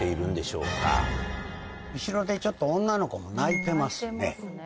後ろで女の子も泣いてますね。